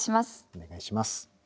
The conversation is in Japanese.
お願いします。